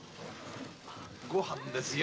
御飯ですよ。